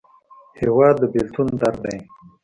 هېواد د بېلتون درد دی.